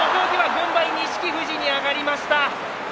軍配は錦富士に上がりました。